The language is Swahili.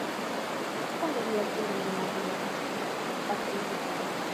Ponda viazi changanya na maji halafu chuja kupata juisi nzuri